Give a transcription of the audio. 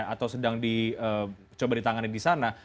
atau sedang dicoba ditangani di sana